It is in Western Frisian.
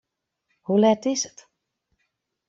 Hoe let is it?